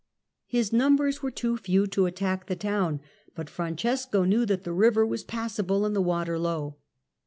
His numbers were too few to attack the town, but Francesco knew that the river was passable and the water low.